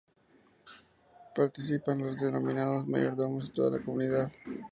Participan los denominados "Mayordomos" y toda la comunidad.